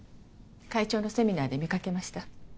会長のセミナーで見かけました。